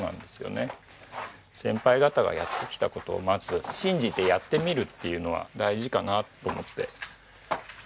先輩方がやってきた事をまず信じてやってみるっていうのは大事かなと思って。